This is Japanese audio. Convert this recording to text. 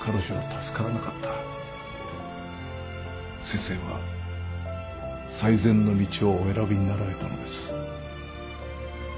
先生は最善の道をお選びになられたのです。